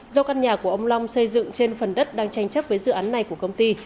do căn nhà của ông long xây dựng trên phần đất đang tranh chấp với dự án này của công ty